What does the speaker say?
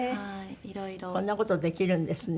こんな事できるんですね。